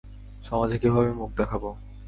সমাজে কীভাবে মুখ দেখাবো?